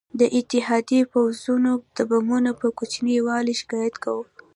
ده د اتحادي پوځونو د بمونو پر کوچني والي شکایت کاوه.